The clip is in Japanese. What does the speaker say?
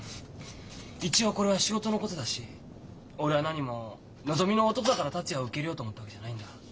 一応これは仕事のことだし俺はなにものぞみの弟だから達也を受け入れようと思ったわけじゃないんだ。